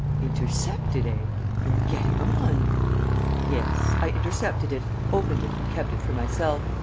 ..." "Intercepted, eh? You're getting on!" "Yes, I intercepted it, opened it and kept it for myself.